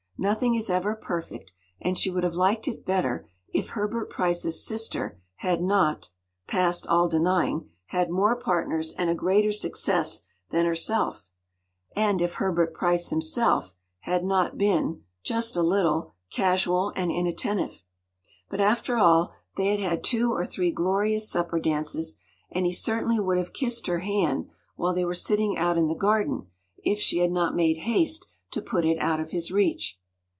Nothing is ever perfect, and she would have liked it better if Herbert Pryce’s sister had not—past all denying—had more partners and a greater success than herself, and if Herbert Pryce himself had not been—just a little—casual and inattentive. But after all they had had two or three glorious supper dances, and he certainly would have kissed her hand, while they were sitting out in the garden, if she had not made haste to put it out of his reach.